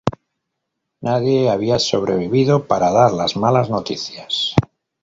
Nadie había sobrevivido para dar las malas noticias.